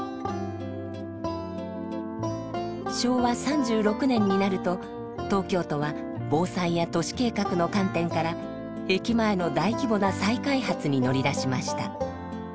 昭和３６年になると東京都は防災や都市計画の観点から駅前の大規模な再開発に乗り出しました。